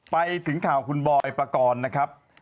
ไปถึงข่าวคุณบอยปกรณ์นะครับ